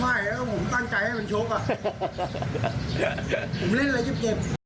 ไม่ผมตั้งใจให้มันโชคอ่ะผมเล่นอะไรเย็บ